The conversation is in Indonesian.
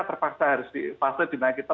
terpaksa harus pasel di nangkita